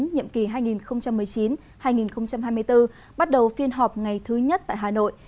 nhiệm kỳ hai nghìn một mươi chín hai nghìn hai mươi bốn bắt đầu phiên họp ngày thứ nhất tại hà nội